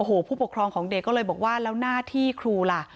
โอ้โหผู้ปกครองของเด็กก็เลยบอกว่าแล้วหน้าที่ครูล่ะ